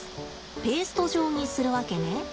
ペースト状にするわけね。